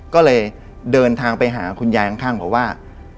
ก็เลยเดินทางไปหาคุณยายข้างบอกว่า